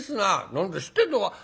「何だ知ってんのか？」。